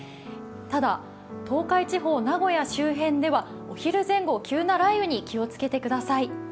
ただ、東海地方、名古屋周辺ではお昼前後、急な雷雨に気をつけてください。